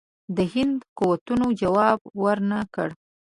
د هند قوتونو جواب ورنه کړ.